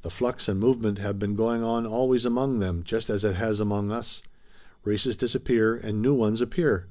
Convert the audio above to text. The flux and movement have been going on always among them just as it has among us. Races disappear, and new ones appear."